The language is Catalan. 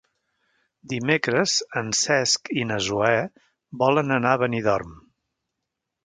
Dimecres en Cesc i na Zoè volen anar a Benidorm.